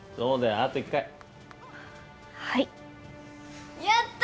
あと１回はいやった！